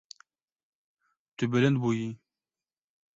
Tu bilind bûyî.